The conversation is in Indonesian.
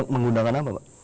menggunakan apa pak